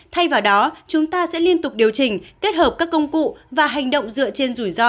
thay vào đó chúng ta sẽ liên tục điều chỉnh kết hợp các công cụ và hành động dựa trên rủi ro